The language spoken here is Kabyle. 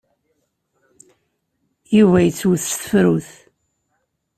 Yuba yettwet s tefrut.